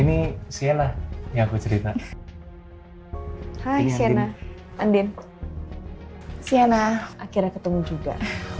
ini sienna yang gue cerita hai sienna andin sienna akhirnya ketemu juga